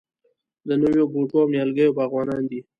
د نوو بوټو او نیالګیو باغوانان دي.